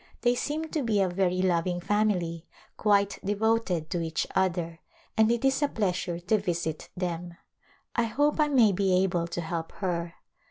They seem to be a very loving family, quite devoted to each other and it is a pleasure to visit them. I hope I may be able to help her.